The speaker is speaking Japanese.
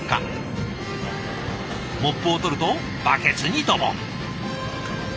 モップを取るとバケツにドボン。